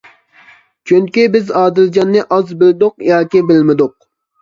چۈنكى بىز ئادىلجاننى ئاز بىلدۇق ياكى بىلمىدۇق.